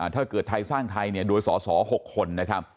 ถ้าเกิดไทยสร้างไทยเนี่ยโดยสอสอ๖คนนะครับ